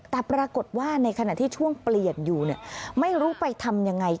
แต่ปรากฏว่าในขณะที่ช่วงเปลี่ยนอยู่ไม่รู้ไปทำยังไง